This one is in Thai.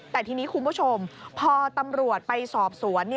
แต่ทีนี้คุณผู้ชมพอตำรวจไปสอบสวน